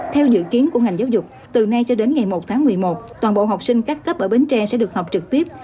theo dự kiến của ngành giáo dục từ nay cho đến ngày một tháng một mươi một toàn bộ học sinh các cấp ở bến tre sẽ được học trực tiếp